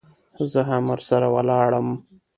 زه هم ورسره ولاړم.